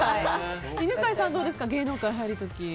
犬飼さんはどうですか芸能界に入る時。